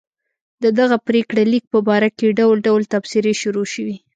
د دغه پرېکړه لیک په باره کې ډول ډول تبصرې شروع شوې.